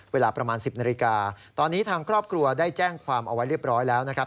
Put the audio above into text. เวลาประมาณ๑๐นาฬิกาตอนนี้ทางครอบครัวได้แจ้งความเอาไว้เรียบร้อยแล้วนะครับ